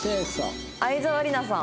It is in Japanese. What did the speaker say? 沢りなさん。